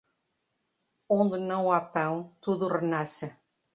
Onde não há pão, tudo renasce.